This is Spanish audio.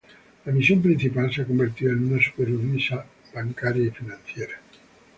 La misión principal se ha convertido en una supervisa bancaria y financiera.